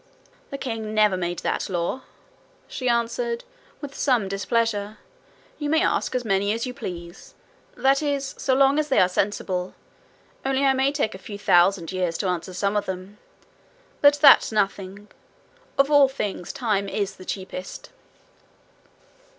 'The king never made that law,' she answered, with some displeasure. 'You may ask me as many as you please that is, so long as they are sensible. Only I may take a few thousand years to answer some of them. But that's nothing. Of all things time is the cheapest.'